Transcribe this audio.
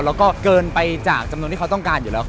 แล้วก็เกินไปจากจำนวนที่เขาต้องการอยู่แล้ว